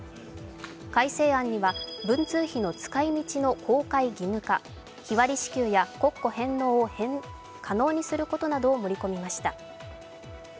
改正案には文通費の使い道の公開義務化、日割り支給や国庫返納を可能にすることなどを盛り込みました。